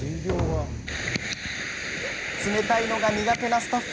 冷たいのが苦手なスタッフ。